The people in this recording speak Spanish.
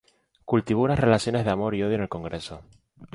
Cultivó unas relaciones de amor y odio con el Congreso.